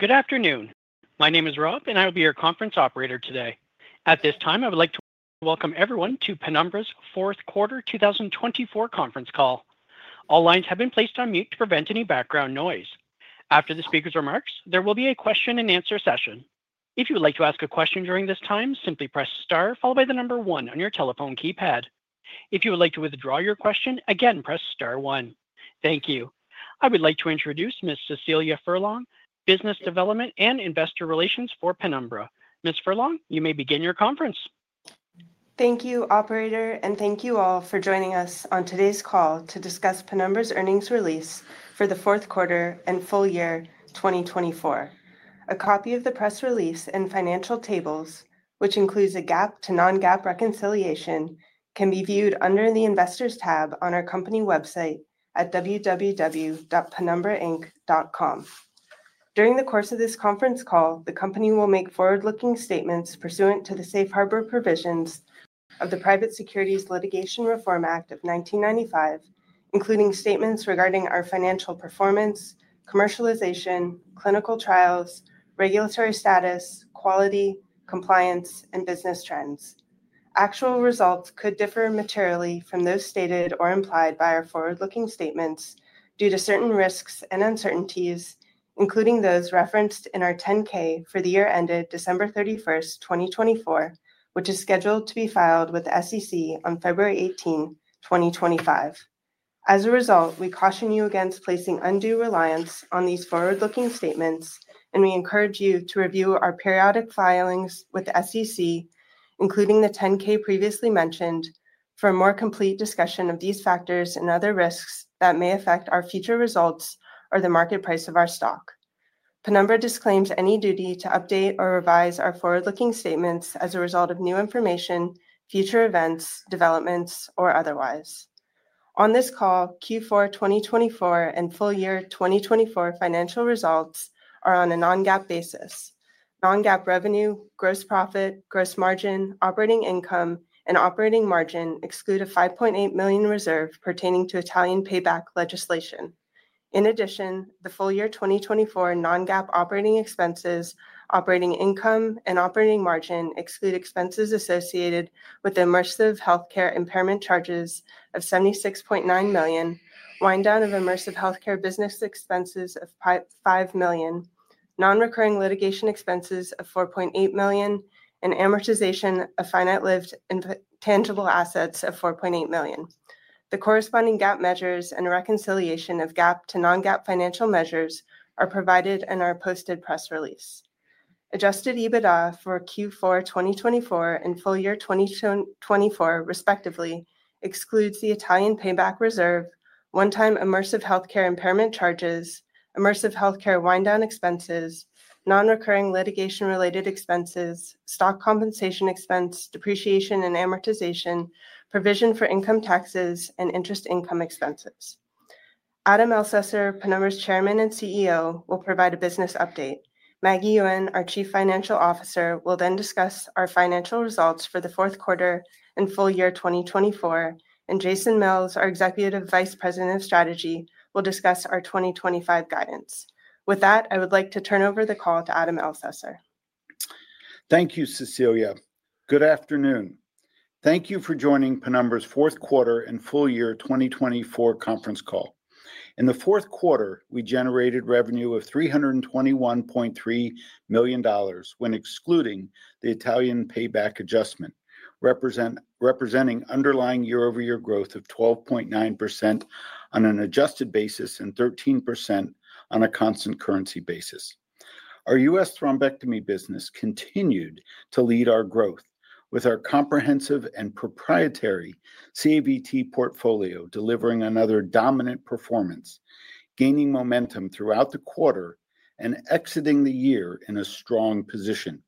Good afternoon. My name is Rob, and I will be your conference operator today. At this time, I would like to welcome everyone to Penumbra's fourth quarter 2024 conference call. All lines have been placed on mute to prevent any background noise. After the speaker's remarks, there will be a question-and-answer session. If you would like to ask a question during this time, simply press Star, followed by the number one on your telephone keypad. If you would like to withdraw your question, again, press Star one. Thank you. I would like to introduce Ms. Cecilia Furlong, Business Development and Investor Relations for Penumbra. Ms. Furlong, you may begin your conference. Thank you, Operator, and thank you all for joining us on today's call to discuss Penumbra's earnings release for the fourth quarter and full year 2024. A copy of the press release and financial tables, which includes a GAAP to non-GAAP reconciliation, can be viewed under the Investors tab on our company website at www.penumbrainc.com. During the course of this conference call, the company will make forward-looking statements pursuant to the safe harbor provisions of the Private Securities Litigation Reform Act of 1995, including statements regarding our financial performance, commercialization, clinical trials, regulatory status, quality, compliance, and business trends. Actual results could differ materially from those stated or implied by our forward-looking statements due to certain risks and uncertainties, including those referenced in our 10-K for the year ended December 31st, 2024, which is scheduled to be filed with the SEC on February 18, 2025. As a result, we caution you against placing undue reliance on these forward-looking statements, and we encourage you to review our periodic filings with the SEC, including the 10-K previously mentioned, for a more complete discussion of these factors and other risks that may affect our future results or the market price of our stock. Penumbra disclaims any duty to update or revise our forward-looking statements as a result of new information, future events, developments, or otherwise. On this call, Q4 2024 and full year 2024 financial results are on a non-GAAP basis. Non-GAAP revenue, gross profit, gross margin, operating income, and operating margin exclude a $5.8 million reserve pertaining to Italian payback legislation. In addition, the full year 2024 non-GAAP operating expenses, operating income, and operating margin exclude expenses associated with Immersive Healthcare impairment charges of $76.9 million, wind down of Immersive Healthcare business expenses of $5 million, non-recurring litigation expenses of $4.8 million, and amortization of finite lived intangible assets of $4.8 million. The corresponding GAAP measures and reconciliation of GAAP to non-GAAP financial measures are provided in our posted press release. Adjusted EBITDA for Q4 2024 and full year 2024, respectively, excludes the Italian payback reserve, one-time Immersive Healthcare impairment charges, Immersive Healthcare wind down expenses, non-recurring litigation-related expenses, stock compensation expense, depreciation and amortization, provision for income taxes, and interest income expenses. Adam Elsesser, Penumbra's Chairman and CEO, will provide a business update. Maggie Yuen, our Chief Financial Officer, will then discuss our financial results for the fourth quarter and full year 2024, and Jason Mills, our Executive Vice President of Strategy, will discuss our 2025 guidance. With that, I would like to turn over the call to Adam Elsesser. Thank you, Cecilia. Good afternoon. Thank you for joining Penumbra's fourth quarter and full year 2024 conference call. In the fourth quarter, we generated revenue of $321.3 million when excluding the Italian payback adjustment, representing underlying year-over-year growth of 12.9% on an adjusted basis and 13% on a constant currency basis. Our U.S. thrombectomy business continued to lead our growth, with our comprehensive and proprietary CAVT portfolio delivering another dominant performance, gaining momentum throughout the quarter and exiting the year in a strong position.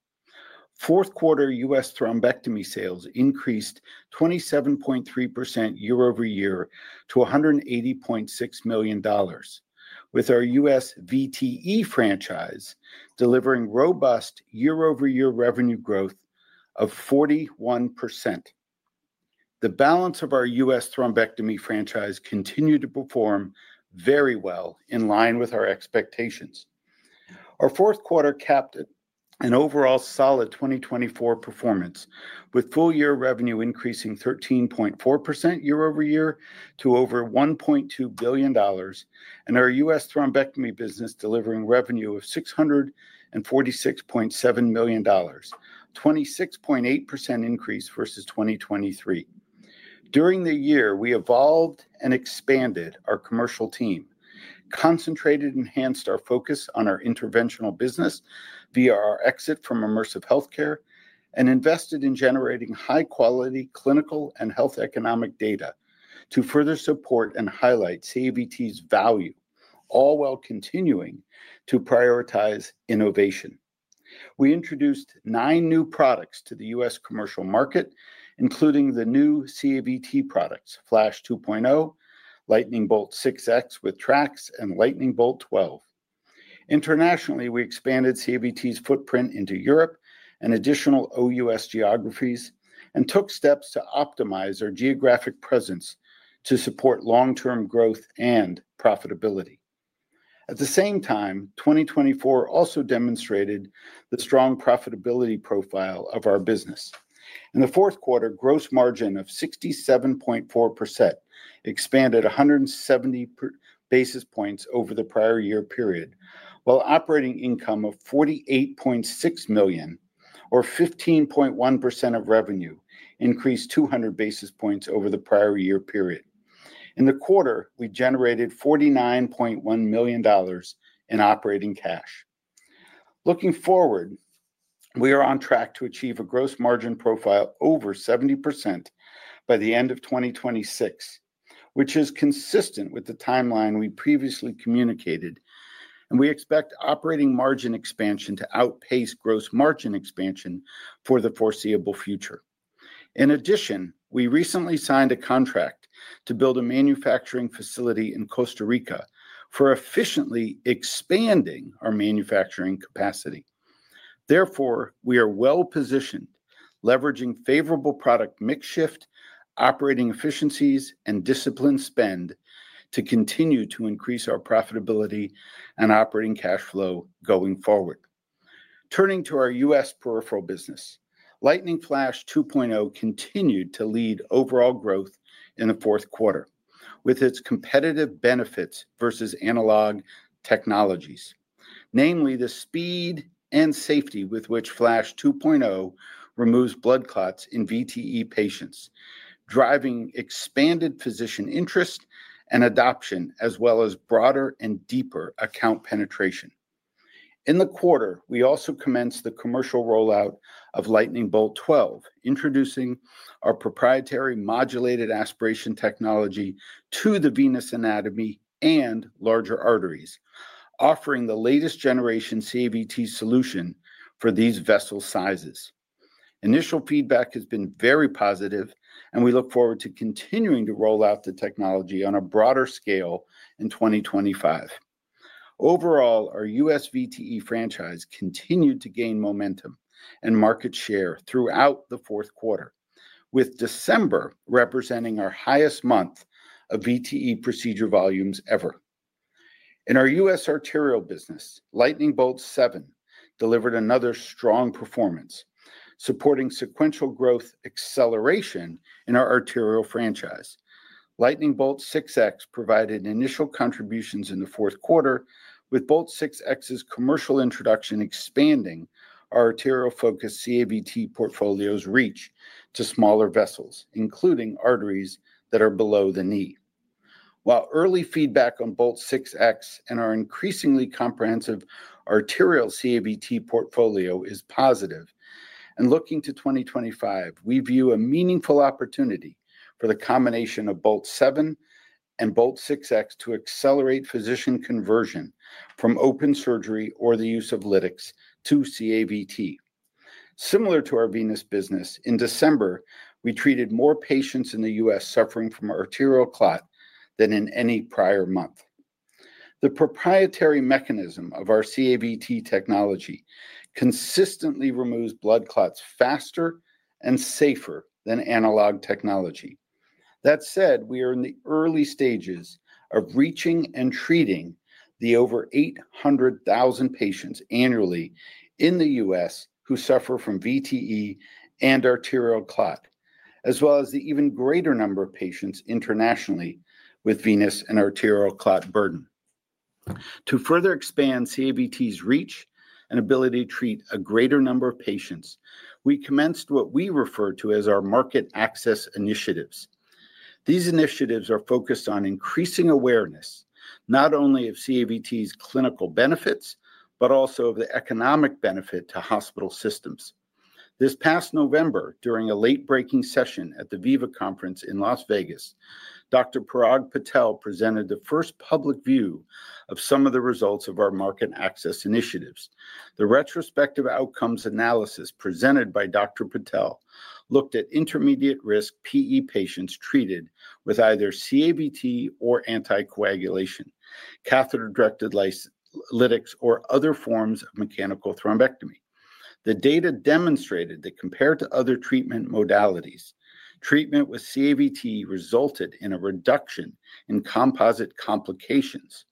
Fourth quarter U.S. thrombectomy sales increased 27.3% year-over-year to $180.6 million, with our U.S. VTE franchise delivering robust year-over-year revenue growth of 41%. The balance of our U.S. thrombectomy franchise continued to perform very well, in line with our expectations. Our fourth quarter capped an overall solid 2024 performance, with full year revenue increasing 13.4% year-over-year to over $1.2 billion, and our U.S. Thrombectomy business delivering revenue of $646.7 million, a 26.8% increase versus 2023. During the year, we evolved and expanded our commercial team, concentrated and enhanced our focus on our interventional business via our exit from Immersive Healthcare, and invested in generating high-quality clinical and health economic data to further support and highlight CAVT's value, all while continuing to prioritize innovation. We introduced nine new products to the U.S. commercial market, including the new CAVT products, Flash 2.0, Lightning Bolt 6F with TRX, and Lightning Bolt 12. Internationally, we expanded CAVT's footprint into Europe and additional OUS geographies and took steps to optimize our geographic presence to support long-term growth and profitability. At the same time, 2024 also demonstrated the strong profitability profile of our business. In the fourth quarter, gross margin of 67.4% expanded 170 basis points over the prior year period, while operating income of $48.6 million, or 15.1% of revenue, increased 200 basis points over the prior year period. In the quarter, we generated $49.1 million in operating cash. Looking forward, we are on track to achieve a gross margin profile over 70% by the end of 2026, which is consistent with the timeline we previously communicated, and we expect operating margin expansion to outpace gross margin expansion for the foreseeable future. In addition, we recently signed a contract to build a manufacturing facility in Costa Rica for efficiently expanding our manufacturing capacity. Therefore, we are well positioned, leveraging favorable product mix, operating efficiencies, and disciplined spend to continue to increase our profitability and operating cash flow going forward. Turning to our U.S. peripheral business, Lightning Flash 2.0 continued to lead overall growth in the fourth quarter with its competitive benefits versus analog technologies, namely the speed and safety with which Flash 2.0 removes blood clots in VTE patients, driving expanded physician interest and adoption, as well as broader and deeper account penetration. In the quarter, we also commenced the commercial rollout of Lightning Bolt 12, introducing our proprietary modulated aspiration technology to the venous anatomy and larger arteries, offering the latest generation CAVT solution for these vessel sizes. Initial feedback has been very positive, and we look forward to continuing to roll out the technology on a broader scale in 2025. Overall, our U.S. VTE franchise continued to gain momentum and market share throughout the fourth quarter, with December representing our highest month of VTE procedure volumes ever. In our U.S. arterial business, Lightning Bolt 7 delivered another strong performance, supporting sequential growth acceleration in our arterial franchise. Lightning Bolt 6F provided initial contributions in the fourth quarter, with Bolt 6F's commercial introduction expanding our arterial-focused CAVT portfolio's reach to smaller vessels, including arteries that are below the knee. While early feedback on Bolt 6F and our increasingly comprehensive arterial CAVT portfolio is positive, and looking to 2025, we view a meaningful opportunity for the combination of Bolt 7 and Bolt 6F to accelerate physician conversion from open surgery or the use of lytics to CAVT. Similar to our venous business, in December, we treated more patients in the U.S. suffering from arterial clot than in any prior month. The proprietary mechanism of our CAVT technology consistently removes blood clots faster and safer than analog technology. That said, we are in the early stages of reaching and treating the over 800,000 patients annually in the U.S. who suffer from VTE and arterial clot, as well as the even greater number of patients internationally with venous and arterial clot burden. To further expand CAVT's reach and ability to treat a greater number of patients, we commenced what we refer to as our Market Access Initiatives. These initiatives are focused on increasing awareness not only of CAVT's clinical benefits, but also of the economic benefit to hospital systems. This past November, during a late-breaking session at the VIVA Conference in Las Vegas, Dr. Parag Patel presented the first public view of some of the results of our Market Access Initiatives. The retrospective outcomes analysis presented by Dr. Patel looked at intermediate-risk PE patients treated with either CAVT or anticoagulation, catheter-directed lytics, or other forms of mechanical thrombectomy. The data demonstrated that compared to other treatment modalities, treatment with CAVT resulted in a reduction in composite complications,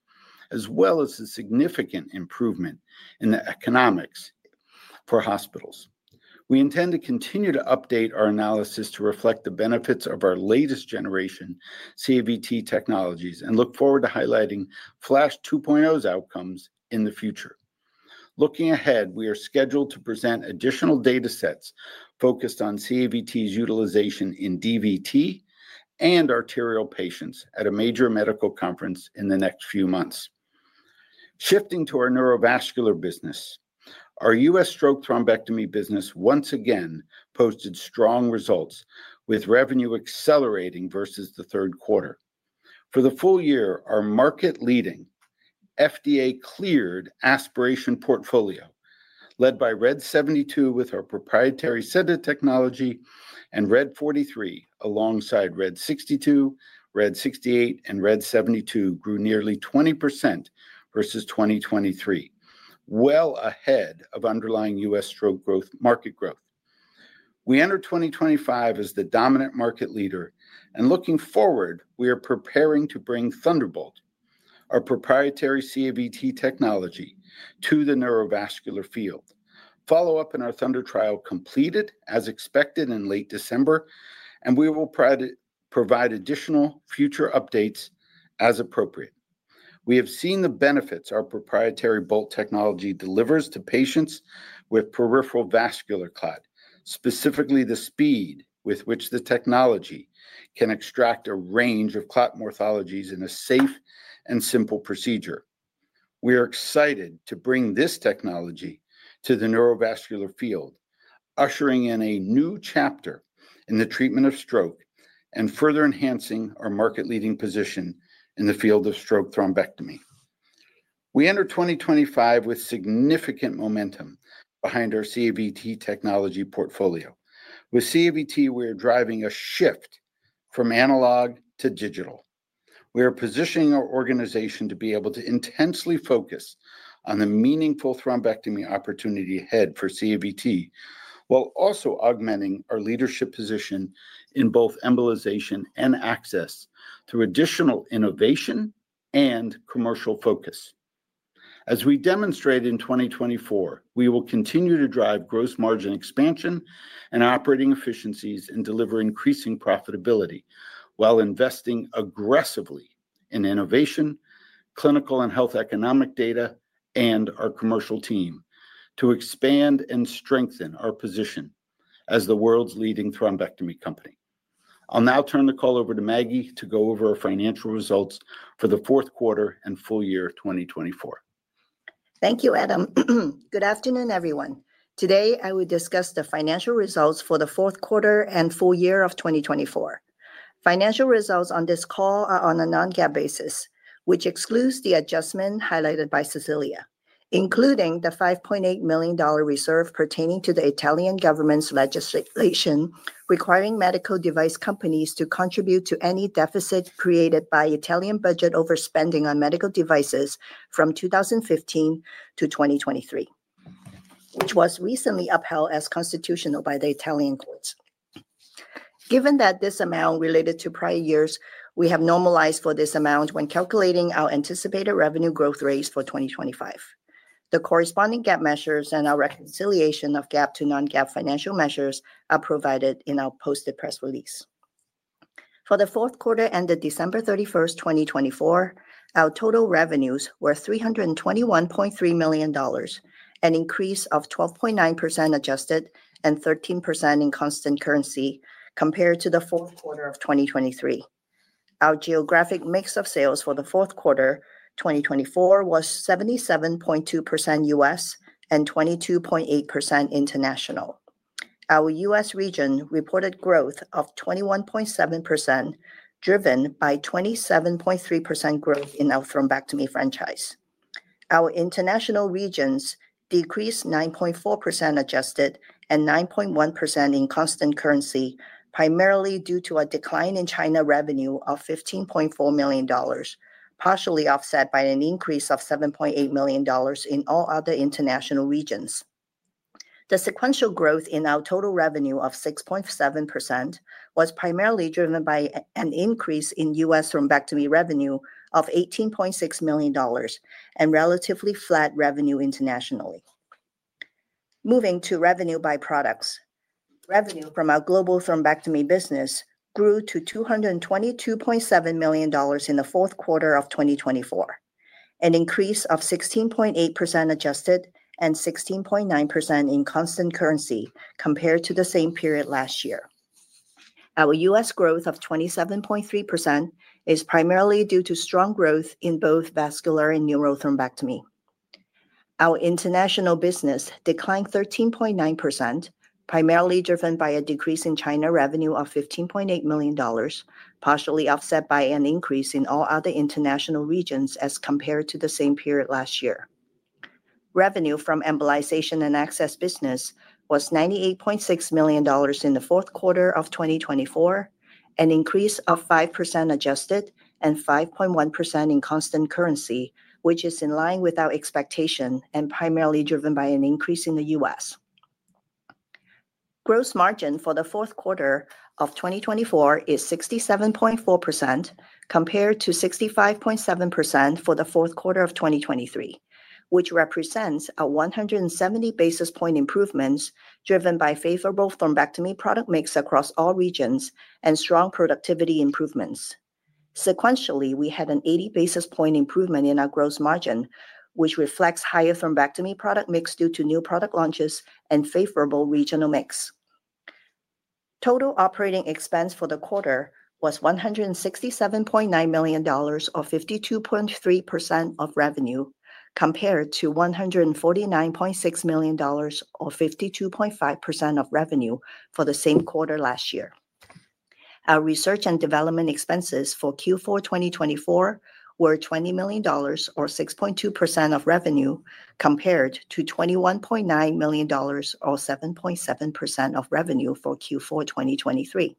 as well as a significant improvement in the economics for hospitals. We intend to continue to update our analysis to reflect the benefits of our latest generation CAVT technologies and look forward to highlighting Flash 2.0's outcomes in the future. Looking ahead, we are scheduled to present additional data sets focused on CAVT's utilization in DVT and arterial patients at a major medical conference in the next few months. Shifting to our neurovascular business, our U.S. stroke thrombectomy business once again posted strong results, with revenue accelerating versus the third quarter. For the full year, our market-leading FDA-cleared aspiration portfolio, led by RED 72 with our proprietary SENDit technology and RED 43, alongside RED 62, RED 68, and RED 72, grew nearly 20% versus 2023, well ahead of underlying U.S. stroke growth market growth. We enter 2025 as the dominant market leader, and looking forward, we are preparing to bring Thunderbolt, our proprietary CAVT technology, to the neurovascular field. Follow-up in our Thunder trial completed as expected in late December, and we will provide additional future updates as appropriate. We have seen the benefits our proprietary bolt technology delivers to patients with peripheral vascular clot, specifically the speed with which the technology can extract a range of clot morphologies in a safe and simple procedure. We are excited to bring this technology to the neurovascular field, ushering in a new chapter in the treatment of stroke and further enhancing our market-leading position in the field of stroke thrombectomy. We enter 2025 with significant momentum behind our CAVT technology portfolio. With CAVT, we are driving a shift from analog to digital. We are positioning our organization to be able to intensely focus on the meaningful thrombectomy opportunity ahead for CAVT, while also augmenting our leadership position in both embolization and access through additional innovation and commercial focus. As we demonstrate in 2024, we will continue to drive gross margin expansion and operating efficiencies and deliver increasing profitability while investing aggressively in innovation, clinical and health economic data, and our commercial team to expand and strengthen our position as the world's leading thrombectomy company. I'll now turn the call over to Maggie to go over our financial results for the fourth quarter and full year 2024. Thank you, Adam. Good afternoon, everyone. Today, I will discuss the financial results for the fourth quarter and full year of 2024. Financial results on this call are on a non-GAAP basis, which excludes the adjustment highlighted by Cecilia, including the $5.8 million reserve pertaining to the Italian government's legislation requiring medical device companies to contribute to any deficit created by Italian budget overspending on medical devices from 2015 to 2023, which was recently upheld as constitutional by the Italian courts. Given that this amount related to prior years, we have normalized for this amount when calculating our anticipated revenue growth rates for 2025. The corresponding GAAP measures and our reconciliation of GAAP to non-GAAP financial measures are provided in our posted press release. For the fourth quarter ended December 31, 2024, our total revenues were $321.3 million, an increase of 12.9% adjusted and 13% in constant currency compared to the fourth quarter of 2023. Our geographic mix of sales for the fourth quarter 2024 was 77.2% U.S. and 22.8% international. Our U.S. region reported growth of 21.7%, driven by 27.3% growth in our thrombectomy franchise. Our international regions decreased 9.4% adjusted and 9.1% in constant currency, primarily due to a decline in China revenue of $15.4 million, partially offset by an increase of $7.8 million in all other international regions. The sequential growth in our total revenue of 6.7% was primarily driven by an increase in U.S. thrombectomy revenue of $18.6 million and relatively flat revenue internationally. Moving to revenue by products, revenue from our global thrombectomy business grew to $222.7 million in the fourth quarter of 2024, an increase of 16.8% adjusted and 16.9% in constant currency compared to the same period last year. Our U.S. growth of 27.3% is primarily due to strong growth in both vascular and neurothrombectomy. Our international business declined 13.9%, primarily driven by a decrease in China revenue of $15.8 million, partially offset by an increase in all other international regions as compared to the same period last year. Revenue from embolization and access business was $98.6 million in the fourth quarter of 2024, an increase of 5% adjusted and 5.1% in constant currency, which is in line with our expectation and primarily driven by an increase in the U.S. Gross margin for the fourth quarter of 2024 is 67.4% compared to 65.7% for the fourth quarter of 2023, which represents a 170 basis point improvement driven by favorable thrombectomy product mix across all regions and strong productivity improvements. Sequentially, we had an 80 basis point improvement in our gross margin, which reflects higher thrombectomy product mix due to new product launches and favorable regional mix. Total operating expense for the quarter was $167.9 million or 52.3% of revenue, compared to $149.6 million or 52.5% of revenue for the same quarter last year. Our research and development expenses for Q4 2024 were $20 million or 6.2% of revenue, compared to $21.9 million or 7.7% of revenue for Q4 2023.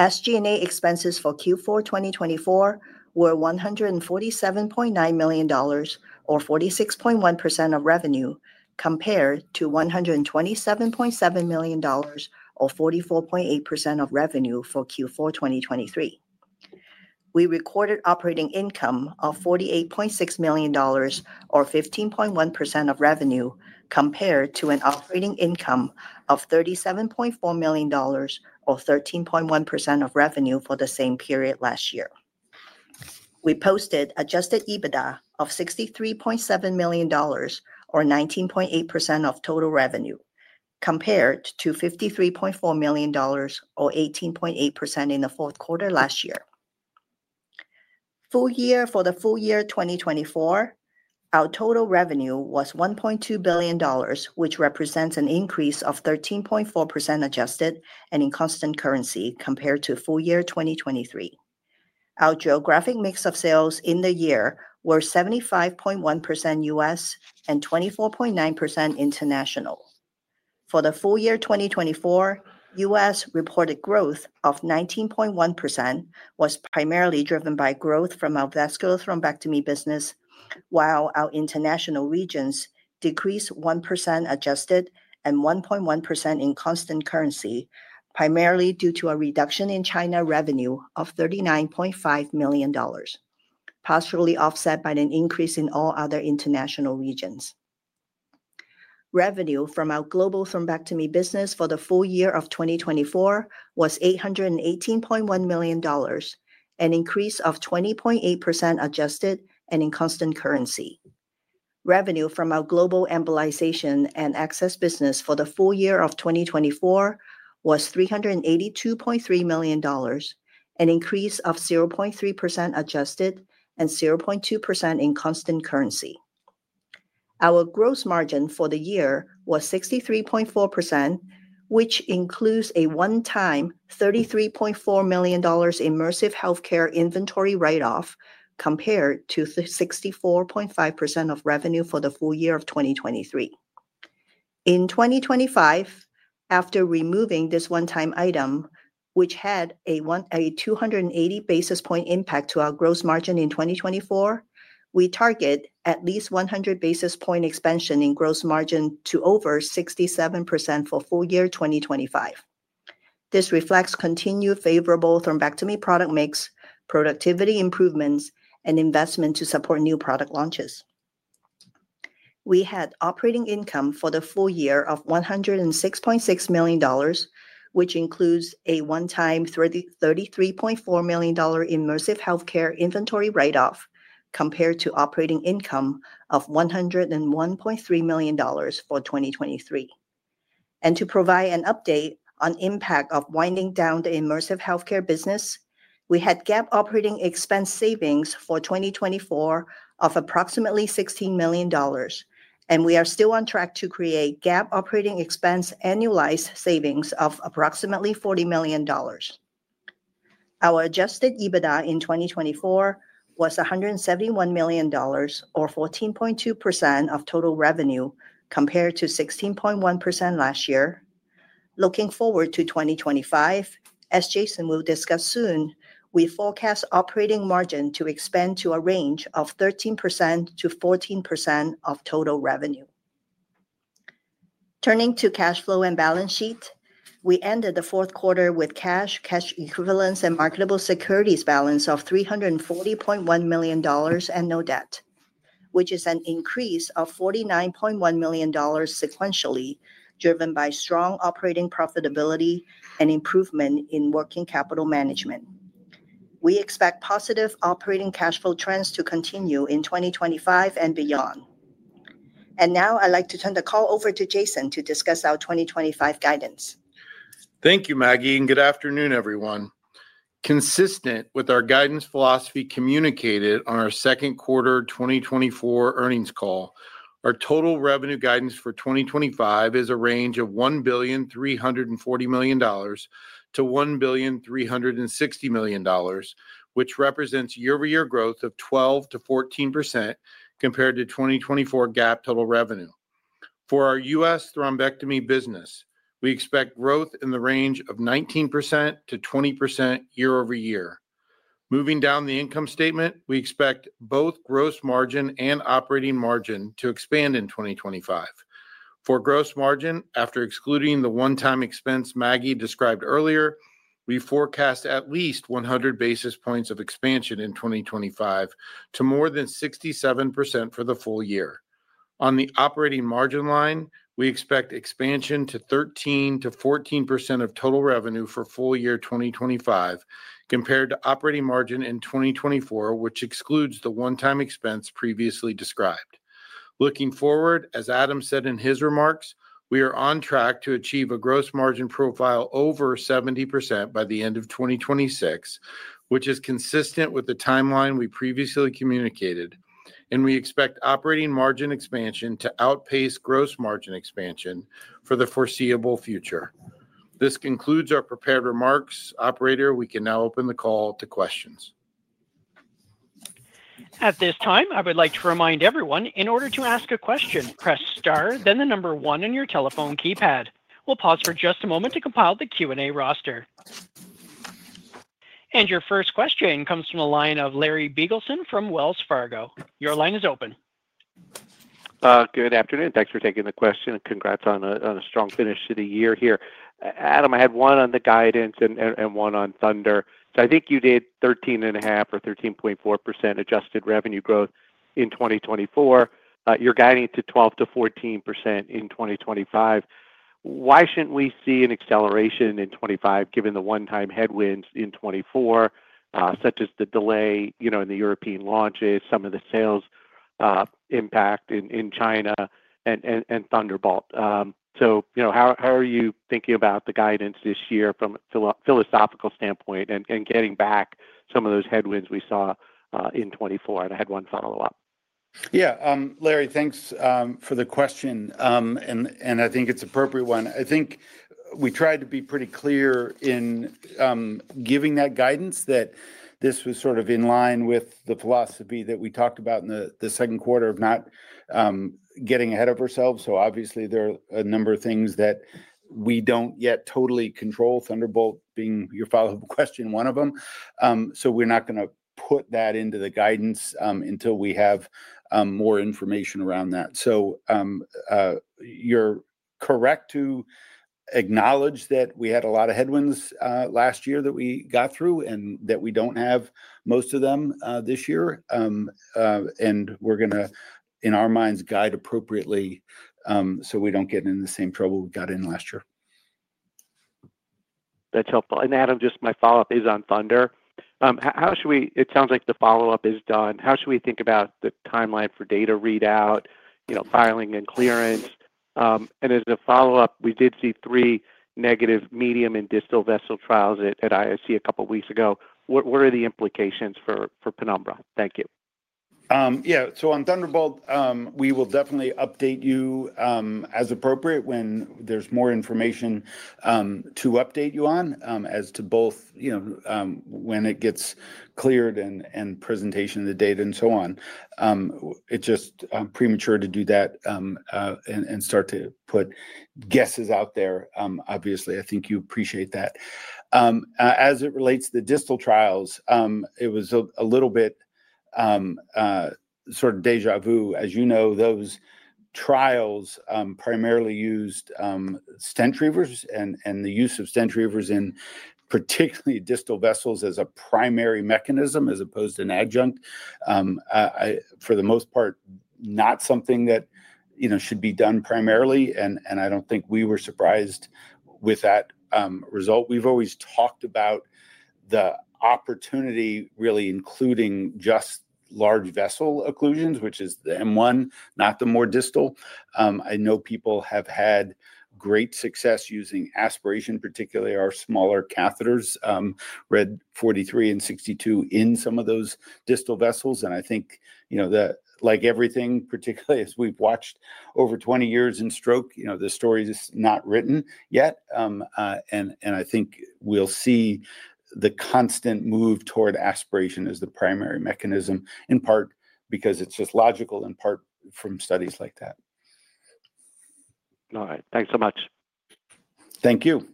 SG&A expenses for Q4 2024 were $147.9 million or 46.1% of revenue, compared to $127.7 million or 44.8% of revenue for Q4 2023. We recorded operating income of $48.6 million or 15.1% of revenue, compared to an operating income of $37.4 million or 13.1% of revenue for the same period last year. We posted adjusted EBITDA of $63.7 million or 19.8% of total revenue, compared to $53.4 million or 18.8% in the fourth quarter last year. Full year for the full year 2024, our total revenue was $1.2 billion, which represents an increase of 13.4% adjusted and in constant currency compared to full year 2023. Our geographic mix of sales in the year were 75.1% U.S. and 24.9% international. For the full year 2024, U.S. reported growth of 19.1% was primarily driven by growth from our vascular thrombectomy business, while our international regions decreased 1% adjusted and 1.1% in constant currency, primarily due to a reduction in China revenue of $39.5 million, partially offset by an increase in all other international regions. Revenue from our global thrombectomy business for the full year of 2024 was $818.1 million, an increase of 20.8% adjusted and in constant currency. Revenue from our global embolization and access business for the full year of 2024 was $382.3 million, an increase of 0.3% adjusted and 0.2% in constant currency. Our gross margin for the year was 63.4%, which includes a one-time $33.4 million Immersive Healthcare inventory write-off compared to 64.5% of revenue for the full year of 2023. In 2025, after removing this one-time item, which had a 280 basis points impact to our gross margin in 2024, we target at least 100 basis points expansion in gross margin to over 67% for full year 2025. This reflects continued favorable thrombectomy product mix, productivity improvements, and investment to support new product launches. We had operating income for the full year of $106.6 million, which includes a one-time $33.4 million Immersive Healthcare inventory write-off compared to operating income of $101.3 million for 2023. To provide an update on impact of winding down the Immersive Healthcare business, we had GAAP operating expense savings for 2024 of approximately $16 million, and we are still on track to create GAAP operating expense annualized savings of approximately $40 million. Our Adjusted EBITDA in 2024 was $171 million or 14.2% of total revenue compared to 16.1% last year. Looking forward to 2025, as Jason will discuss soon, we forecast operating margin to expand to a range of 13%-14% of total revenue. Turning to cash flow and balance sheet, we ended the fourth quarter with cash, cash equivalents, and marketable securities balance of $340.1 million and no debt, which is an increase of $49.1 million sequentially, driven by strong operating profitability and improvement in working capital management. We expect positive operating cash flow trends to continue in 2025 and beyond. And now I'd like to turn the call over to Jason to discuss our 2025 guidance. Thank you, Maggie, and good afternoon, everyone. Consistent with our guidance philosophy communicated on our second quarter 2024 earnings call, our total revenue guidance for 2025 is a range of $1.34 billion-$1.36 billion, which represents year-over-year growth of 12%-14% compared to 2024 GAAP total revenue. For our U.S. thrombectomy business, we expect growth in the range of 19%-20% year-over-year. Moving down the income statement, we expect both gross margin and operating margin to expand in 2025. For gross margin, after excluding the one-time expense Maggie described earlier, we forecast at least 100 basis points of expansion in 2025 to more than 67% for the full year. On the operating margin line, we expect expansion to 13%-14% of total revenue for full year 2025 compared to operating margin in 2024, which excludes the one-time expense previously described. Looking forward, as Adam said in his remarks, we are on track to achieve a gross margin profile over 70% by the end of 2026, which is consistent with the timeline we previously communicated, and we expect operating margin expansion to outpace gross margin expansion for the foreseeable future. This concludes our prepared remarks. Operator, we can now open the call to questions. At this time, I would like to remind everyone, in order to ask a question, press star, then the number one on your telephone keypad. We'll pause for just a moment to compile the Q&A roster. And your first question comes from the line of Larry Biegelsen from Wells Fargo. Your line is open. Good afternoon. Thanks for taking the question. Congrats on a strong finish to the year here. Adam, I had one on the guidance and one on Thunder. So I think you did 13.5% or 13.4% adjusted revenue growth in 2024. You're guiding to 12%-14% in 2025. Why shouldn't we see an acceleration in 2025, given the one-time headwinds in 2024, such as the delay in the European launches, some of the sales impact in China, and Thunderbolt? So how are you thinking about the guidance this year from a philosophical standpoint and getting back some of those headwinds we saw in 2024? And I had one follow-up. Yeah, Larry, thanks for the question, and I think it's an appropriate one. I think we tried to be pretty clear in giving that guidance that this was sort of in line with the philosophy that we talked about in the second quarter of not getting ahead of ourselves, so obviously, there are a number of things that we don't yet totally control. Thunderbolt being your follow-up question, one of them, so we're not going to put that into the guidance until we have more information around that. So you're correct to acknowledge that we had a lot of headwinds last year that we got through and that we don't have most of them this year, and we're going to, in our minds, guide appropriately so we don't get into the same trouble we got in last year. That's helpful. And Adam, just my follow-up is on Thunder. It sounds like the follow-up is done. How should we think about the timeline for data readout, filing, and clearance? And as a follow-up, we did see three negative medium and distal vessel trials at ISC a couple of weeks ago. What are the implications for Penumbra? Thank you. Yeah, so on Thunderbolt, we will definitely update you as appropriate when there's more information to update you on, as to both when it gets cleared and presentation of the data and so on. It's just premature to do that and start to put guesses out there, obviously. I think you appreciate that. As it relates to the distal trials, it was a little bit sort of déjà vu. As you know, those trials primarily used stent retrievers and the use of stent retrievers in particularly distal vessels as a primary mechanism as opposed to an adjunct, for the most part, not something that should be done primarily. And I don't think we were surprised with that result. We've always talked about the opportunity really including just large vessel occlusions, which is the M1, not the more distal. I know people have had great success using aspiration, particularly our smaller catheters, RED 43 and RED 62, in some of those distal vessels, and I think, like everything, particularly as we've watched over 20 years in stroke, the story is not written yet, and I think we'll see the constant move toward aspiration as the primary mechanism, in part because it's just logical, in part from studies like that. All right. Thanks so much. Thank you.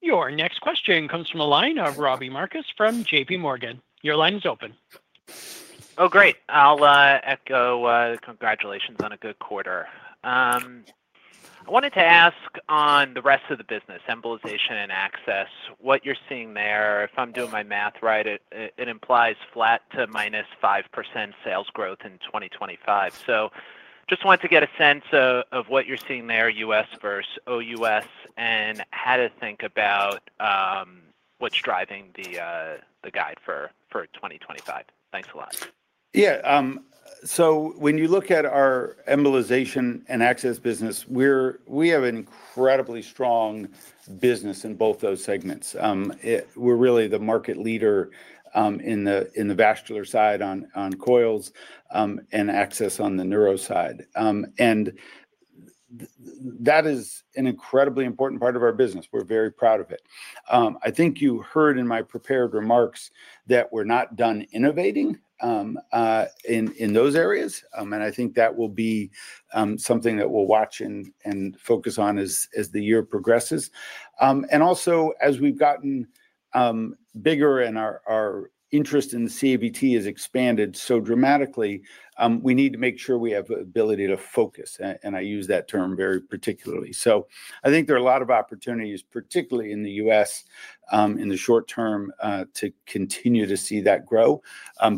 Your next question comes from a line of Robbie Marcus from JPMorgan. Your line is open. Oh, great. I'll echo congratulations on a good quarter. I wanted to ask on the rest of the business, embolization and access, what you're seeing there. If I'm doing my math right, it implies flat to minus 5% sales growth in 2025. So just wanted to get a sense of what you're seeing there, U.S. versus OUS, and how to think about what's driving the guide for 2025. Thanks a lot. Yeah. So when you look at our embolization and access business, we have an incredibly strong business in both those segments. We're really the market leader in the vascular side on coils and access on the neuro side. And that is an incredibly important part of our business. We're very proud of it. I think you heard in my prepared remarks that we're not done innovating in those areas. And I think that will be something that we'll watch and focus on as the year progresses. And also, as we've gotten bigger and our interest in the CAVT has expanded so dramatically, we need to make sure we have the ability to focus. And I use that term very particularly. So I think there are a lot of opportunities, particularly in the U.S., in the short term, to continue to see that grow.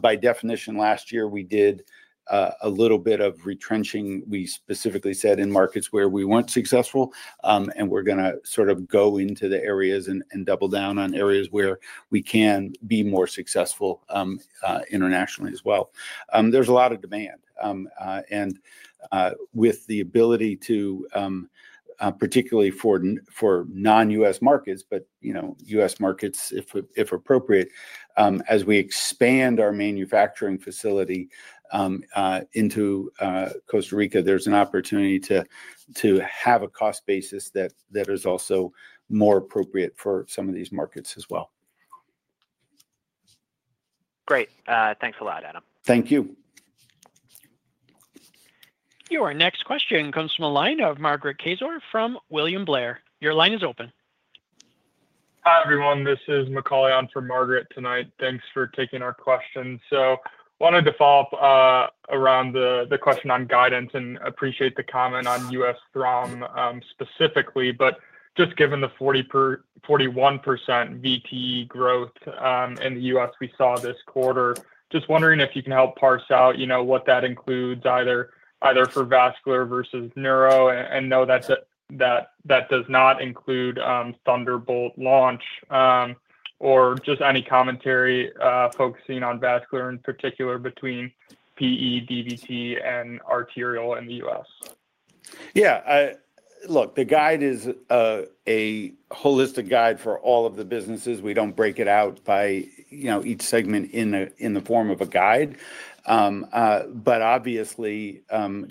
By definition, last year, we did a little bit of retrenching. We specifically said in markets where we weren't successful, and we're going to sort of go into the areas and double down on areas where we can be more successful internationally as well. There's a lot of demand, and with the ability to, particularly for non-U.S. markets, but U.S. markets, if appropriate, as we expand our manufacturing facility into Costa Rica, there's an opportunity to have a cost basis that is also more appropriate for some of these markets as well. Great. Thanks a lot, Adam. Thank you. Your next question comes from a line of Margaret Kaczor from William Blair. Your line is open. Hi, everyone. This is Macaulay on for Margaret tonight. Thanks for taking our question, so wanted to follow up around the question on guidance and appreciate the comment on U.S. thromb specifically, but just given the 41% VT growth in the U.S. we saw this quarter, just wondering if you can help parse out what that includes, either for vascular versus neuro, and no, that does not include Thunderbolt launch or just any commentary focusing on vascular in particular between PE, DVT, and arterial in the U.S. Yeah. Look, the guide is a holistic guide for all of the businesses. We don't break it out by each segment in the form of a guide. But obviously,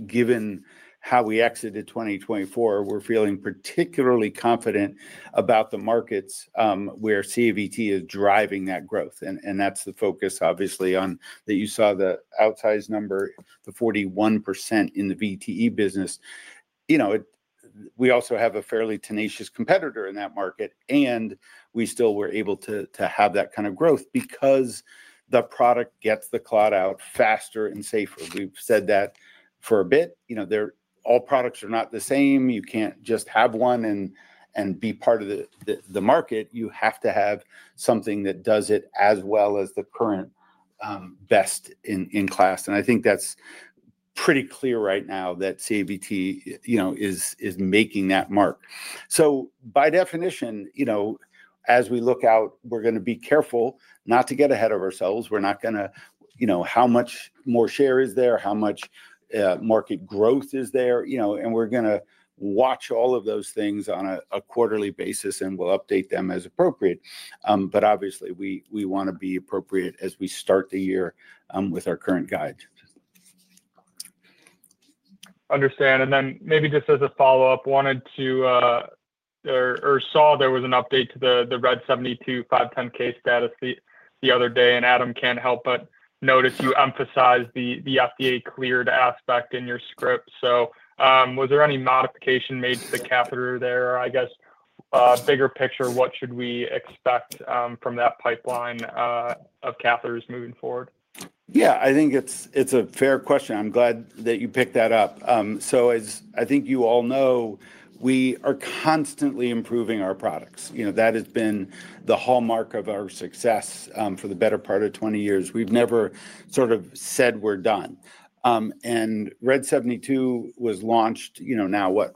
given how we exited 2024, we're feeling particularly confident about the markets where CAVT is driving that growth. And that's the focus, obviously, that you saw the outsized number, the 41% in the VTE business. We also have a fairly tenacious competitor in that market, and we still were able to have that kind of growth because the product gets the clot out faster and safer. We've said that for a bit. All products are not the same. You can't just have one and be part of the market. You have to have something that does it as well as the current best in class. And I think that's pretty clear right now that CAVT is making that mark. So by definition, as we look out, we're going to be careful not to get ahead of ourselves. We're not going to. How much more share is there? How much market growth is there? And we're going to watch all of those things on a quarterly basis, and we'll update them as appropriate. But obviously, we want to be appropriate as we start the year with our current guide. understand. And then maybe just as a follow-up, wanted to—or saw there was an update to the RED 72 510(k) status the other day. And Adam, can't help but notice you emphasized the FDA cleared aspect in your script. So was there any modification made to the catheter there? Or I guess, bigger picture, what should we expect from that pipeline of catheters moving forward? Yeah, I think it's a fair question. I'm glad that you picked that up. So as I think you all know, we are constantly improving our products. That has been the hallmark of our success for the better part of 20 years. We've never sort of said we're done. And RED 72 was launched now, what,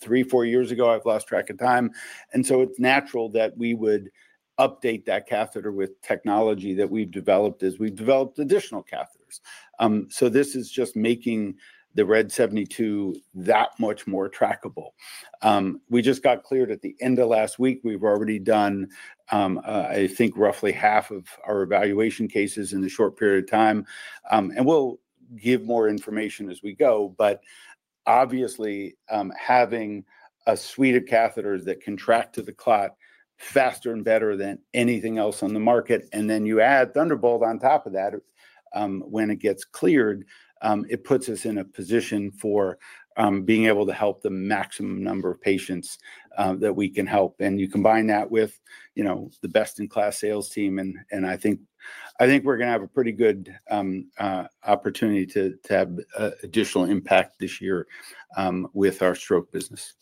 three, four years ago? I've lost track of time. And so it's natural that we would update that catheter with technology that we've developed as we've developed additional catheters. So this is just making the RED 72 that much more trackable. We just got cleared at the end of last week. We've already done, I think, roughly half of our evaluation cases in a short period of time. And we'll give more information as we go. But obviously, having a suite of catheters that contract to the clot faster and better than anything else on the market, and then you add Thunderbolt on top of that when it gets cleared, it puts us in a position for being able to help the maximum number of patients that we can help. And you combine that with the best-in-class sales team. And I think we're going to have a pretty good opportunity to have additional impact this year with our stroke business.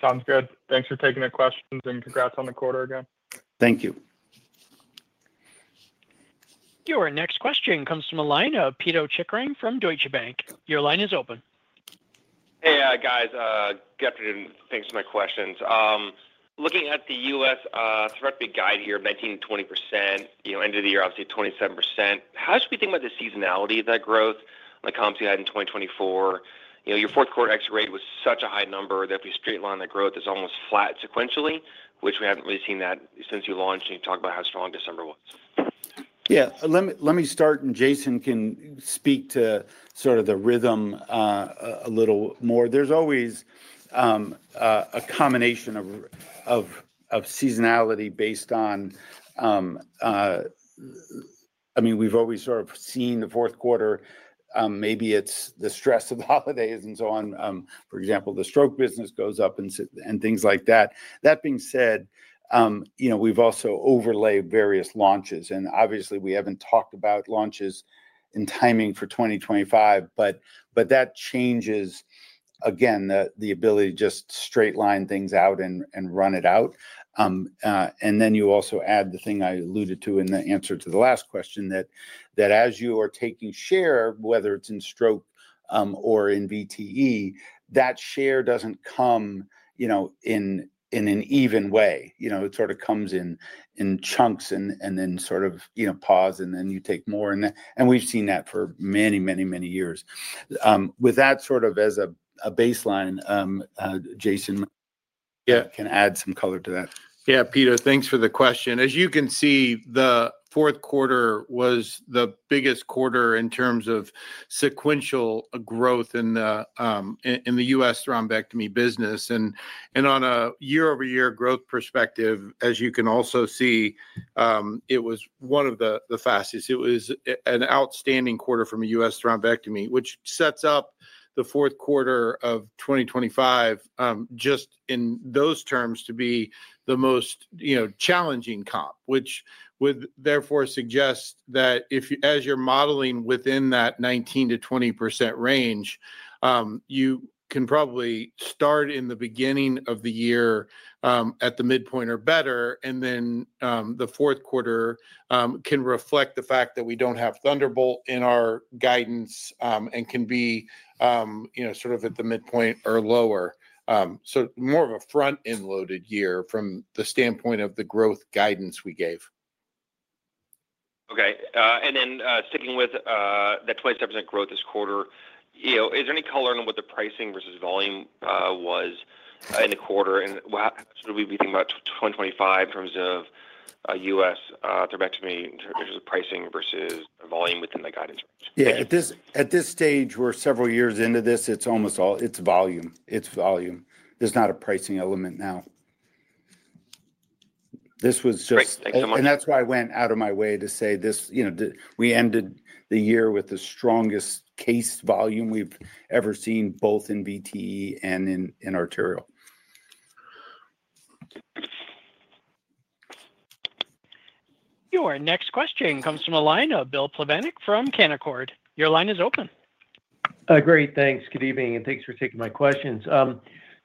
Sounds good. Thanks for taking the questions and congrats on the quarter again. Thank you. Your next question comes from a line of Pito Chickering from Deutsche Bank. Your line is open. Hey, guys. Good afternoon. Thanks for my questions. Looking at the U.S. thrombectomy guide here, 19%-20%, end of the year, obviously, 27%. How should we think about the seasonality of that growth, like comps you had in 2024? Your fourth quarter exit rate was such a high number that if we straight line that growth, it's almost flat sequentially, which we haven't really seen that since you launched and you talked about how strong December was. Yeah. Let me start, and Jason can speak to sort of the rhythm a little more. There's always a combination of seasonality based on, I mean, we've always sort of seen the fourth quarter, maybe it's the stress of the holidays and so on. For example, the stroke business goes up and things like that. That being said, we've also overlaid various launches. And obviously, we haven't talked about launches and timing for 2025. But that changes, again, the ability to just straight line things out and run it out. And then you also add the thing I alluded to in the answer to the last question, that as you are taking share, whether it's in stroke or in VTE, that share doesn't come in an even way. It sort of comes in chunks and then sort of pause, and then you take more. And we've seen that for many, many, many years. With that sort of as a baseline, Jason can add some color to that. Yeah, Pito, thanks for the question. As you can see, the fourth quarter was the biggest quarter in terms of sequential growth in the U.S. thrombectomy business. And on a year-over-year growth perspective, as you can also see, it was one of the fastest. It was an outstanding quarter from a U.S. thrombectomy, which sets up the fourth quarter of 2025 just in those terms to be the most challenging comp, which would therefore suggest that as you're modeling within that 19%-20% range, you can probably start in the beginning of the year at the midpoint or better. And then the fourth quarter can reflect the fact that we don't have Thunderbolt in our guidance and can be sort of at the midpoint or lower. So more of a front-end loaded year from the standpoint of the growth guidance we gave. Okay. And then sticking with that 27% growth this quarter, is there any color on what the pricing versus volume was in the quarter? And should we be thinking about 2025 in terms of U.S. thrombectomy pricing versus volume within the guidance range? Yeah. At this stage, we're several years into this. It's volume. It's volume. There's not a pricing element now. This was just. Great. Thanks so much. That's why I went out of my way to say we ended the year with the strongest case volume we've ever seen, both in VTE and in arterial. Your next question comes from a line of Bill Plovanic from Canaccord. Your line is open. Great. Thanks. Good evening, and thanks for taking my questions.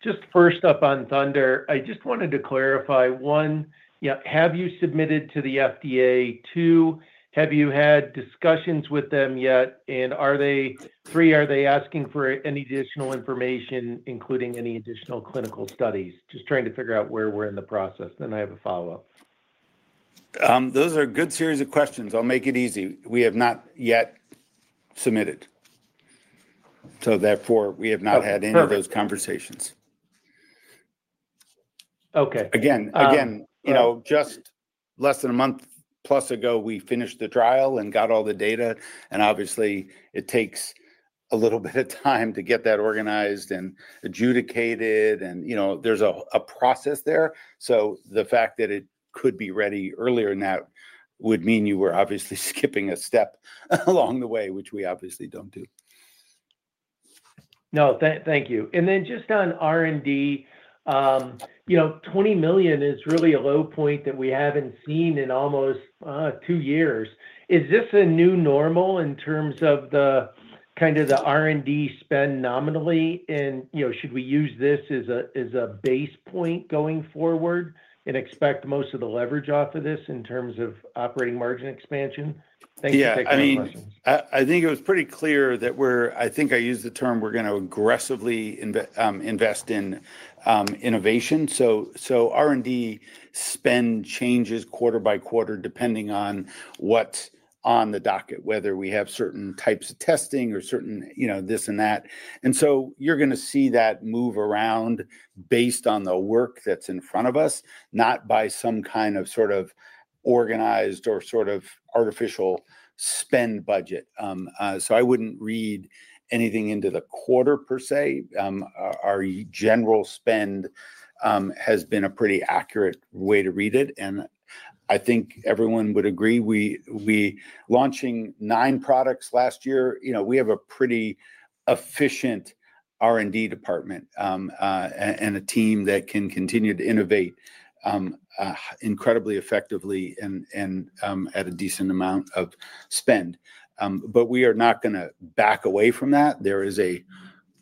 Just first up on Thunderbolt, I just wanted to clarify. One, have you submitted to the FDA? Two, have you had discussions with them yet? And three, are they asking for any additional information, including any additional clinical studies? Just trying to figure out where we're in the process. Then I have a follow-up. Those are a good series of questions. I'll make it easy. We have not yet submitted. So therefore, we have not had any of those conversations. Okay. Again, just less than a month plus ago, we finished the trial and got all the data. And obviously, it takes a little bit of time to get that organized and adjudicated. And there's a process there. So the fact that it could be ready earlier now would mean you were obviously skipping a step along the way, which we obviously don't do. No, thank you. And then just on R&D, $20 million is really a low point that we haven't seen in almost two years. Is this a new normal in terms of kind of the R&D spend nominally? And should we use this as a base point going forward and expect most of the leverage off of this in terms of operating margin expansion? Thanks for taking my questions. Yeah. I mean, I think it was pretty clear that we're, I think I used the term, we're going to aggressively invest in innovation. So R&D spend changes quarter by quarter depending on what's on the docket, whether we have certain types of testing or certain this and that. And so you're going to see that move around based on the work that's in front of us, not by some kind of sort of organized or sort of artificial spend budget. So I wouldn't read anything into the quarter per se. Our general spend has been a pretty accurate way to read it. And I think everyone would agree. Launching nine products last year, we have a pretty efficient R&D department and a team that can continue to innovate incredibly effectively and at a decent amount of spend. But we are not going to back away from that. There is a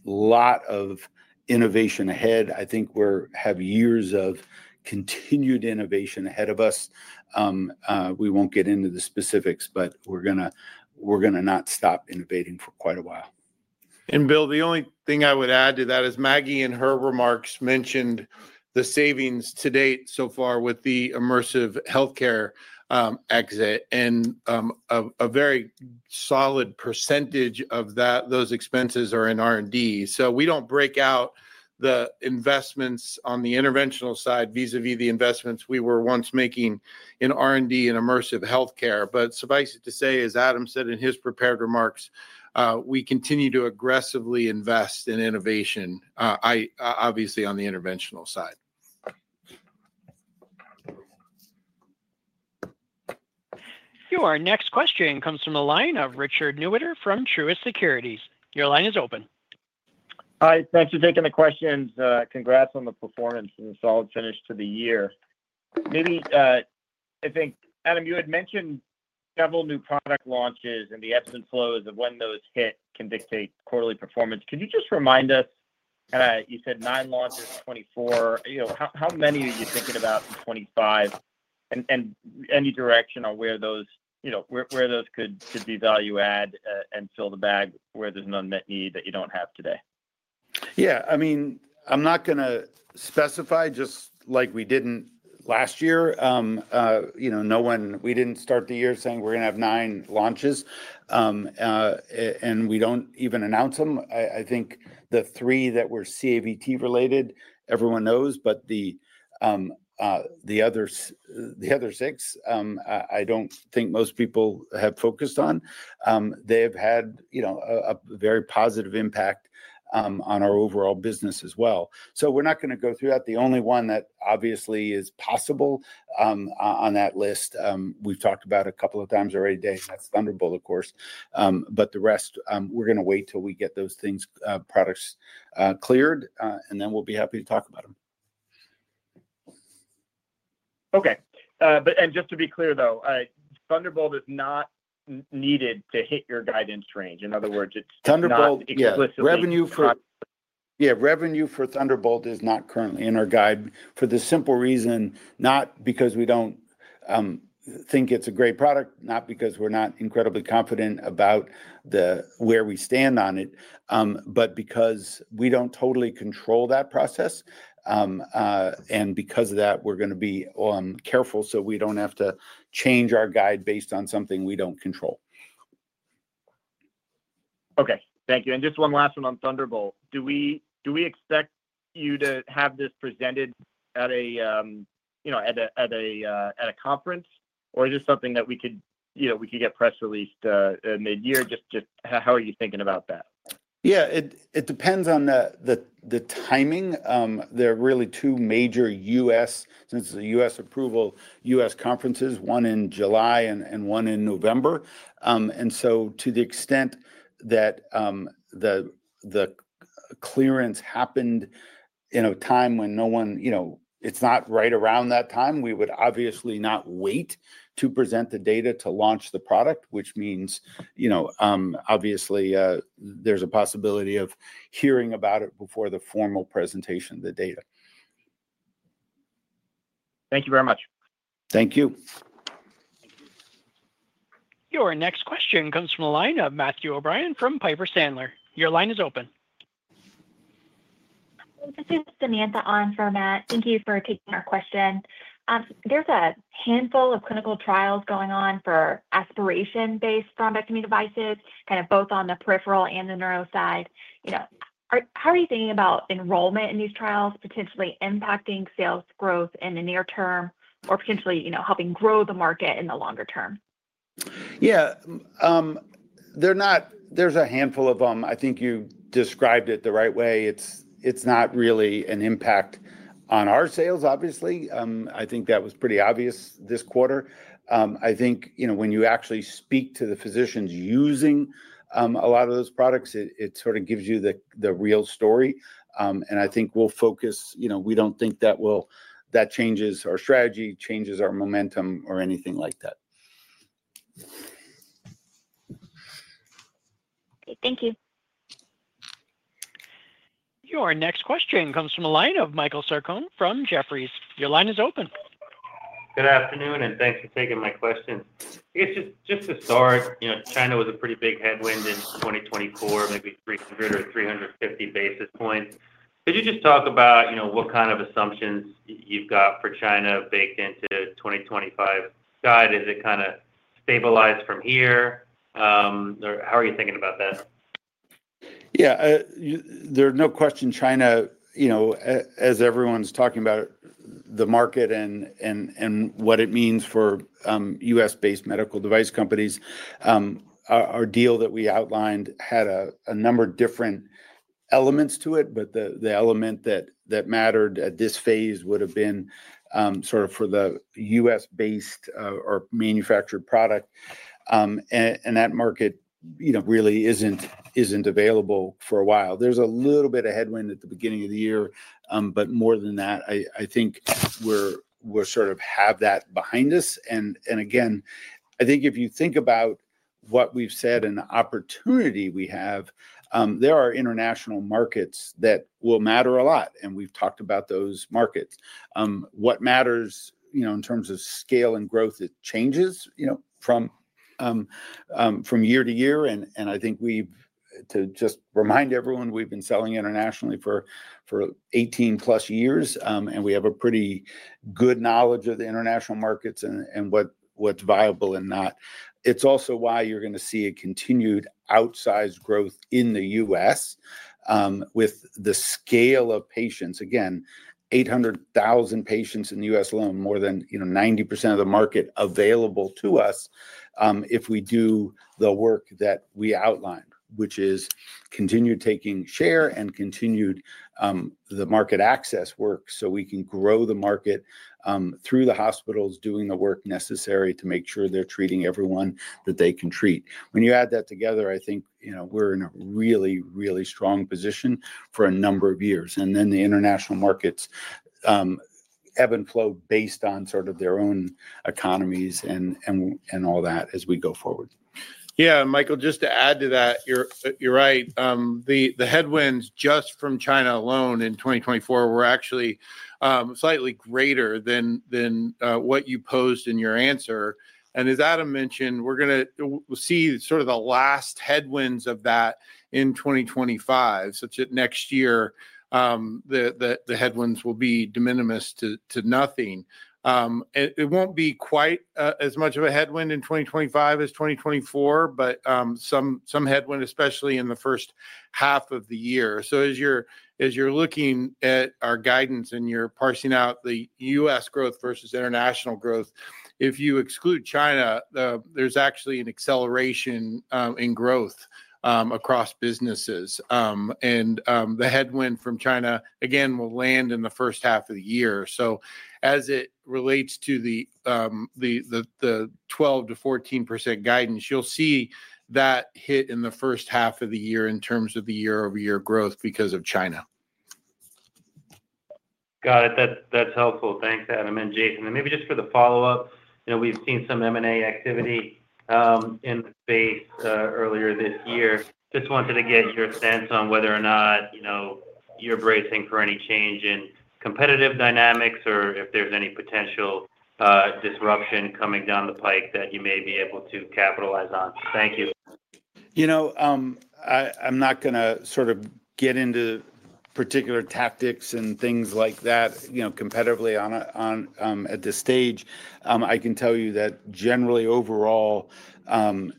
lot of innovation ahead. I think we have years of continued innovation ahead of us. We won't get into the specifics, but we're going to not stop innovating for quite a while. And Bill, the only thing I would add to that is Maggie in her remarks mentioned the savings to date so far with the Immersive Healthcare exit. A very solid percentage of those expenses are in R&D. We don't break out the investments on the interventional side vis-à-vis the investments we were once making in R&D and Immersive Healthcare. Suffice it to say, as Adam said in his prepared remarks, we continue to aggressively invest in innovation, obviously on the interventional side. Your next question comes from a line of Richard Newitter from Truist Securities. Your line is open. Hi. Thanks for taking the questions. Congrats on the performance and the solid finish to the year. Maybe I think, Adam, you had mentioned several new product launches, and the ebbs and flows of when those hit can dictate quarterly performance. Can you just remind us? You said nine launches in 2024. How many are you thinking about in 2025? And any direction on where those could be value-add and fill the gap where there's an unmet need that you don't have today? Yeah. I mean, I'm not going to specify, just like we didn't last year. We didn't start the year saying we're going to have nine launches, and we don't even announce them. I think the three that were CAVT-related, everyone knows, but the other six, I don't think most people have focused on. They have had a very positive impact on our overall business as well. So we're not going to go through that. The only one that obviously is possible on that list, we've talked about a couple of times already, Dan, that's Thunderbolt, of course. But the rest, we're going to wait till we get those products cleared, and then we'll be happy to talk about them. Okay. And just to be clear, though, Thunderbolt is not needed to hit your guidance range. In other words, it's not explicitly. Yeah. Revenue for Thunderbolt is not currently in our guide for the simple reason, not because we don't think it's a great product, not because we're not incredibly confident about where we stand on it, but because we don't totally control that process. And because of that, we're going to be careful so we don't have to change our guide based on something we don't control. Okay. Thank you. And just one last one on Thunderbolt. Do we expect you to have this presented at a conference, or is this something that we could get press released midyear? Just how are you thinking about that? Yeah. It depends on the timing. There are really two major U.S. conferences, since it's a U.S. approval, one in July and one in November. And so to the extent that the clearance happened in a time when no one, it's not right around that time. We would obviously not wait to present the data to launch the product, which means obviously there's a possibility of hearing about it before the formal presentation of the data. Thank you very much. Thank you. Your next question comes from a line of Matthew O'Brien from Piper Sandler. Your line is open. This is Samantha on for Matt. Thank you for taking our question. There's a handful of clinical trials going on for aspiration-based thrombectomy devices, kind of both on the peripheral and the neuro side. How are you thinking about enrollment in these trials potentially impacting sales growth in the near term or potentially helping grow the market in the longer term? Yeah. There's a handful of them. I think you described it the right way. It's not really an impact on our sales, obviously. I think that was pretty obvious this quarter. I think when you actually speak to the physicians using a lot of those products, it sort of gives you the real story. And I think we'll focus. We don't think that changes our strategy, changes our momentum, or anything like that. Thank you. Your next question comes from a line of Michael Sarcone from Jefferies. Your line is open. Good afternoon, and thanks for taking my question. Just to start, China was a pretty big headwind in 2024, maybe 300 or 350 basis points. Could you just talk about what kind of assumptions you've got for China baked into 2025? Guide? Is it kind of stabilized from here? How are you thinking about that? Yeah. There are no questions. China, as everyone's talking about the market and what it means for U.S.-based medical device companies, our deal that we outlined had a number of different elements to it. But the element that mattered at this phase would have been sort of for the U.S.-based or manufactured product. And that market really isn't available for a while. There's a little bit of headwind at the beginning of the year. But more than that, I think we sort of have that behind us. And again, I think if you think about what we've said and the opportunity we have, there are international markets that will matter a lot. And we've talked about those markets. What matters in terms of scale and growth, it changes from year to year. And I think we've, to just remind everyone, we've been selling internationally for 18-plus years, and we have a pretty good knowledge of the international markets and what's viable and not. It's also why you're going to see a continued outsized growth in the U.S. with the scale of patients. Again, 800,000 patients in the U.S. alone, more than 90% of the market available to us if we do the work that we outlined, which is continued taking share and continued the market access work so we can grow the market through the hospitals doing the work necessary to make sure they're treating everyone that they can treat. When you add that together, I think we're in a really, really strong position for a number of years. And then the international markets ebb and flow based on sort of their own economies and all that as we go forward. Yeah. Michael, just to add to that, you're right. The headwinds just from China alone in 2024 were actually slightly greater than what you posed in your answer. And as Adam mentioned, we're going to see sort of the last headwinds of that in 2025, such that next year the headwinds will be de minimis to nothing. It won't be quite as much of a headwind in 2025 as 2024, but some headwind, especially in the first half of the year. So as you're looking at our guidance and you're parsing out the U.S. growth versus international growth, if you exclude China, there's actually an acceleration in growth across businesses. And the headwind from China, again, will land in the first half of the year. So as it relates to the 12%-14% guidance, you'll see that hit in the first half of the year in terms of the year-over-year growth because of China. Got it. That's helpful. Thanks, Adam and Jason, and maybe just for the follow-up, we've seen some M&A activity in the space earlier this year. Just wanted to get your sense on whether or not you're bracing for any change in competitive dynamics or if there's any potential disruption coming down the pike that you may be able to capitalize on. Thank you. I'm not going to sort of get into particular tactics and things like that competitively at this stage. I can tell you that generally, overall, we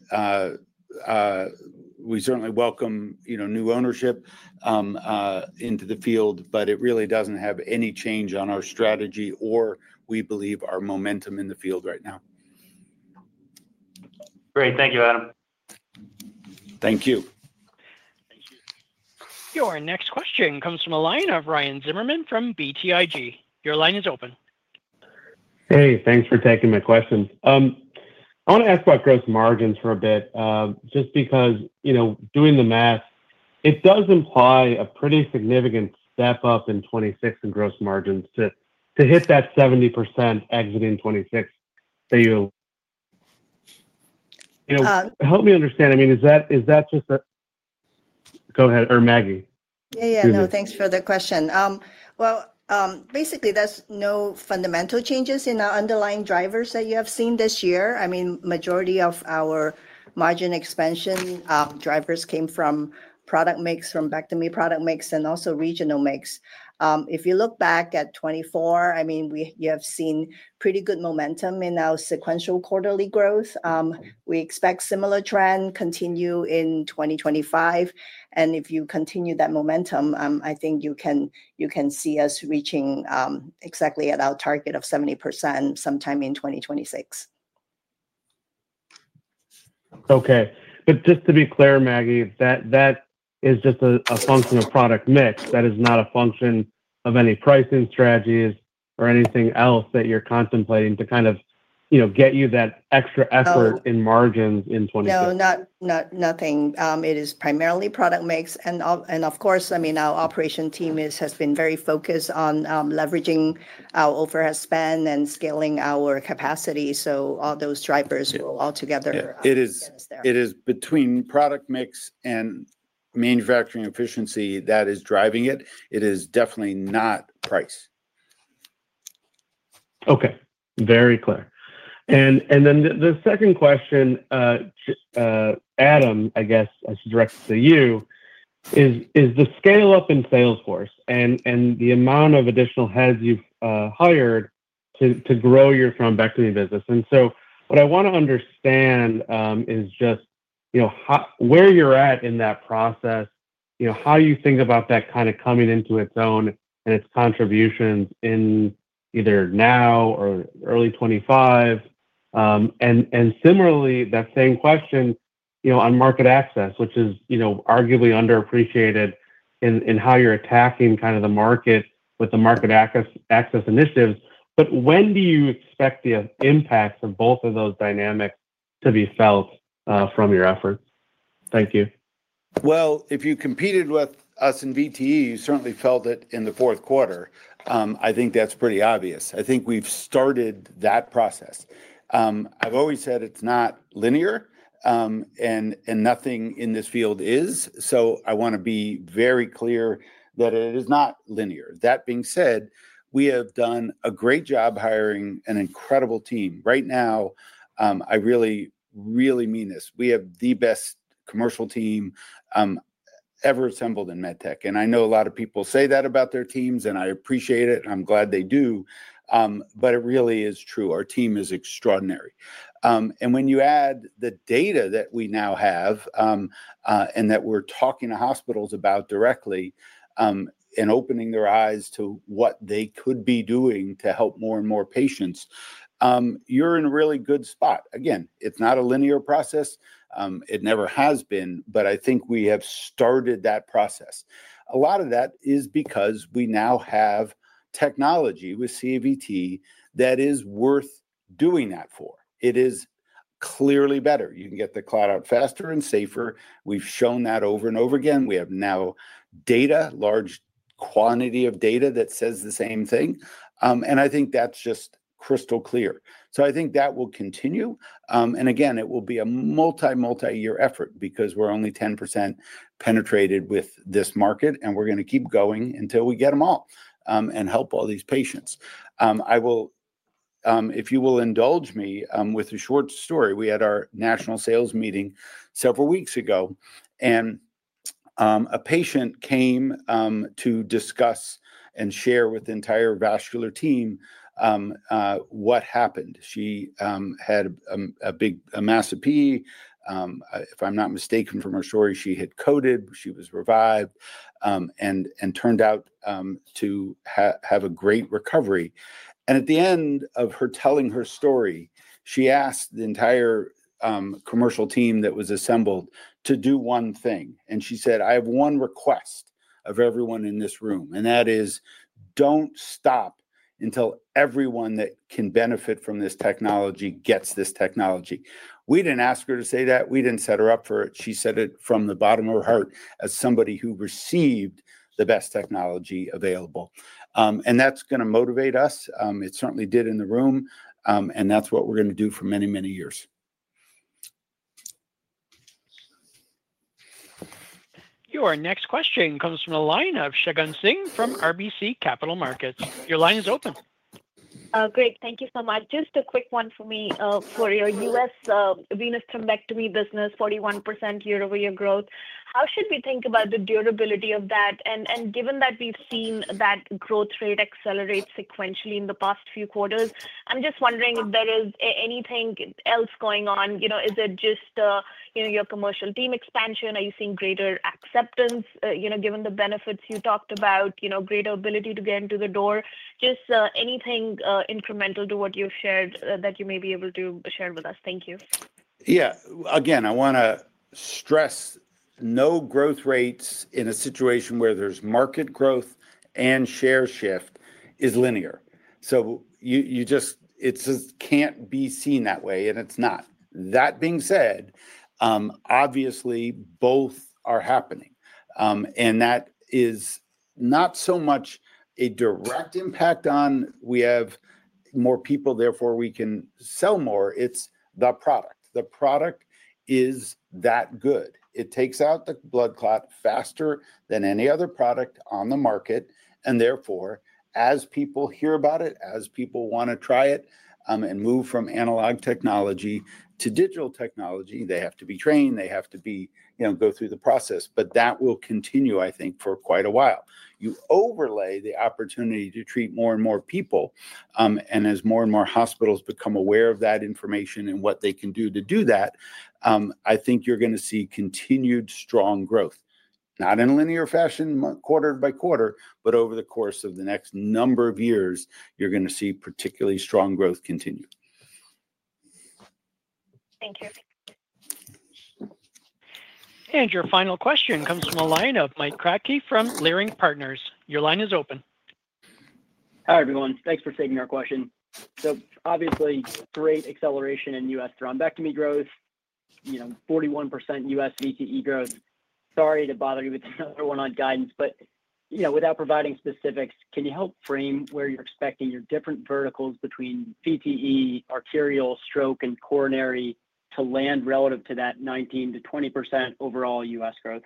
certainly welcome new ownership into the field, but it really doesn't have any change on our strategy or we believe our momentum in the field right now. Great. Thank you, Adam. Thank you. Your next question comes from a line of Ryan Zimmerman from BTIG. Your line is open. Hey, thanks for taking my question. I want to ask about gross margins for a bit, just because doing the math, it does imply a pretty significant step up in 2026 in gross margins to hit that 70% exiting 2026. Help me understand. I mean, is that just a—go ahead. Or Maggie. Yeah, yeah. Thanks for the question. Well, basically, there's no fundamental changes in our underlying drivers that you have seen this year. I mean, the majority of our margin expansion drivers came from better product mix, and also regional mix. If you look back at 2024, I mean, you have seen pretty good momentum in our sequential quarterly growth. We expect a similar trend to continue in 2025. And if you continue that momentum, I think you can see us reaching exactly at our target of 70% sometime in 2026. Okay. But just to be clear, Maggie, that is just a function of product mix. That is not a function of any pricing strategies or anything else that you're contemplating to kind of get you that extra effort in margins in 2026. No, nothing. It is primarily product mix. And of course, I mean, our operations team has been very focused on leveraging our overhead spend and scaling our capacity. So all those drivers will altogether. It is between product mix and manufacturing efficiency that is driving it. It is definitely not price. Okay. Very clear. And then the second question, Adam, I guess, is directed to you, is the scale-up in sales force and the amount of additional heads you've hired to grow your thrombectomy business. And so what I want to understand is just where you're at in that process, how you think about that kind of coming into its own and its contributions in either now or early 2025. And similarly, that same question on market access, which is arguably underappreciated in how you're attacking kind of the market with the market access initiatives. But when do you expect the impacts of both of those dynamics to be felt from your efforts? Thank you. If you competed with us in VTE, you certainly felt it in the fourth quarter. I think that's pretty obvious. I think we've started that process. I've always said it's not linear, and nothing in this field is. I want to be very clear that it is not linear. That being said, we have done a great job hiring an incredible team. Right now, I really, really mean this. We have the best commercial team ever assembled in MedTech. I know a lot of people say that about their teams, and I appreciate it, and I'm glad they do. It really is true. Our team is extraordinary. And when you add the data that we now have and that we're talking to hospitals about directly and opening their eyes to what they could be doing to help more and more patients, you're in a really good spot. Again, it's not a linear process. It never has been, but I think we have started that process. A lot of that is because we now have technology with CAVT that is worth doing that for. It is clearly better. You can get the clot out faster and safer. We've shown that over and over again. We have now data, large quantity of data that says the same thing. And I think that's just crystal clear. So I think that will continue. And again, it will be a multi, multi-year effort because we're only 10% penetrated with this market, and we're going to keep going until we get them all and help all these patients. If you will indulge me with a short story, we had our national sales meeting several weeks ago, and a patient came to discuss and share with the entire vascular team what happened. She had a massive PE. If I'm not mistaken from her story, she had coded. She was revived and turned out to have a great recovery. And at the end of her telling her story, she asked the entire commercial team that was assembled to do one thing. And she said, "I have one request of everyone in this room, and that is don't stop until everyone that can benefit from this technology gets this technology." We didn't ask her to say that. We didn't set her up for it. She said it from the bottom of her heart as somebody who received the best technology available. And that's going to motivate us. It certainly did in the room. And that's what we're going to do for many, many years. Your next question comes from a line of Shagun Singh from RBC Capital Markets. Your line is open. Great. Thank you so much. Just a quick one for me. For your U.S. venous thrombectomy business, 41% year-over-year growth. How should we think about the durability of that? And given that we've seen that growth rate accelerate sequentially in the past few quarters, I'm just wondering if there is anything else going on. Is it just your commercial team expansion? Are you seeing greater acceptance given the benefits you talked about, greater ability to get into the door? Just anything incremental to what you've shared that you may be able to share with us. Thank you. Yeah. Again, I want to stress no growth rates in a situation where there's market growth and share shift is linear. So it just can't be seen that way, and it's not. That being said, obviously both are happening, and that is not so much a direct impact on we have more people, therefore we can sell more. It's the product. The product is that good. It takes out the blood clot faster than any other product on the market. And therefore, as people hear about it, as people want to try it and move from analog technology to digital technology, they have to be trained. They have to go through the process. But that will continue, I think, for quite a while. You overlay the opportunity to treat more and more people. As more and more hospitals become aware of that information and what they can do to do that, I think you're going to see continued strong growth, not in a linear fashion quarter by quarter, but over the course of the next number of years, you're going to see particularly strong growth continue. Thank you. Your final question comes from the line of Mike Kratky from Leerink Partners. Your line is open. Hi, everyone. Thanks for taking our question. So obviously, great acceleration in U.S. thrombectomy growth, 41% U.S. VTE growth. Sorry to bother you with another one on guidance, but without providing specifics, can you help frame where you're expecting your different verticals between VTE, arterial, stroke, and coronary to land relative to that 19%-20% overall U.S. growth?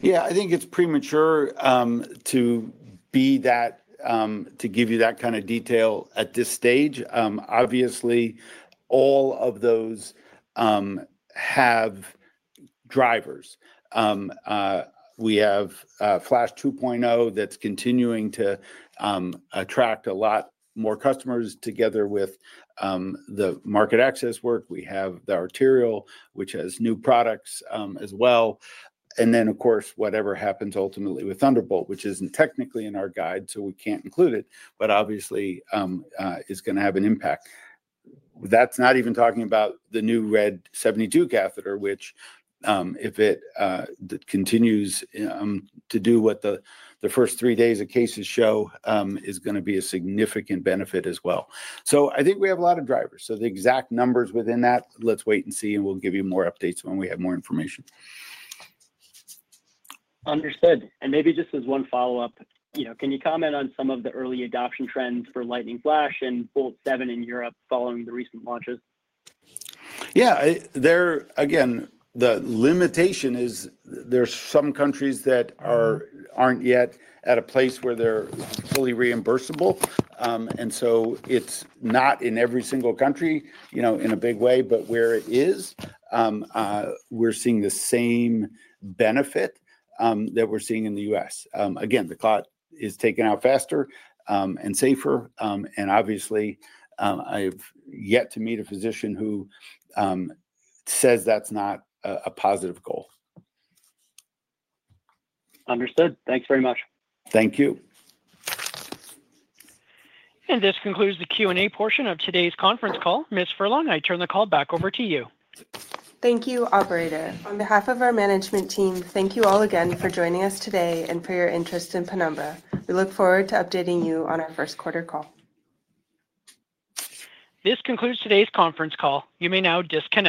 Yeah. I think it's premature to give you that kind of detail at this stage. Obviously, all of those have drivers. We have Flash 2.0 that's continuing to attract a lot more customers together with the market access work. We have the arterial, which has new products as well. And then, of course, whatever happens ultimately with Thunderbolt, which isn't technically in our guide, so we can't include it, but obviously is going to have an impact. That's not even talking about the new RED 72 catheter, which if it continues to do what the first three days of cases show, is going to be a significant benefit as well. So I think we have a lot of drivers. So the exact numbers within that, let's wait and see, and we'll give you more updates when we have more information. Understood. And maybe just as one follow-up, can you comment on some of the early adoption trends for Lightning Flash and Lightning Bolt 7 in Europe following the recent launches? Yeah. Again, the limitation is there's some countries that aren't yet at a place where they're fully reimbursable. And so it's not in every single country in a big way, but where it is, we're seeing the same benefit that we're seeing in the U.S. Again, the clot is taken out faster and safer. And obviously, I've yet to meet a physician who says that's not a positive goal. Understood. Thanks very much. Thank you. This concludes the Q&A portion of today's conference call. Ms. Furlong, I turn the call back over to you. Thank you, operator. On behalf of our management team, thank you all again for joining us today and for your interest in Penumbra. We look forward to updating you on our first quarter call. This concludes today's conference call. You may now disconnect.